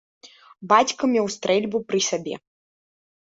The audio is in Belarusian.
Бацька меў стрэльбу пры сабе.